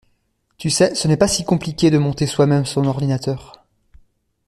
Tu sais, ce n'est pas si compliqué de monter soi-même son ordinateur.